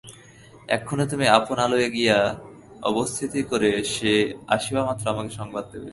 এক্ষণে তুমি আপন আলয়ে গিয়া অবস্থিতি কর সে আসিবামাত্র আমাকে সংবাদ দিবে।